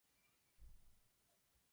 Po návratu ho místní uctívali jako hrdinu.